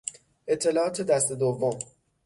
اطلاعات دست دوم